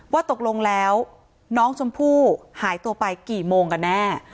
ว่าตกลงแล้วน้องชมพู่หายตัวไปกี่โมงกันแน่